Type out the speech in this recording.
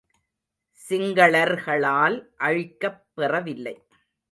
சிங்களர்களால் அழிக்கப் பெறவில்லை.